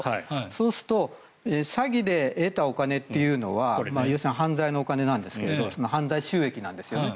そうすると詐欺で得たお金というのは犯罪のお金なんですけど犯罪収益なんですよね。